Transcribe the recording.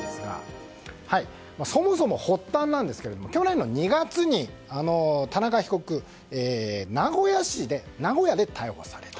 そもそも発端なんですが去年の２月に田中被告、名古屋市で逮捕された。